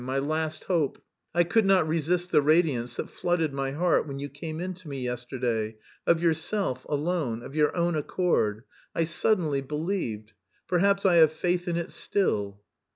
my last hope.... I could not resist the radiance that flooded my heart when you came in to me yesterday, of yourself, alone, of your own accord. I suddenly believed.... Perhaps I have faith in it still."